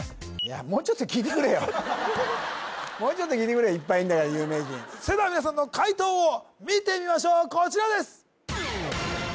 もうちょっと聞いてくれよいっぱいいるんだから有名人それでは皆さんの解答を見てみましょうこちらです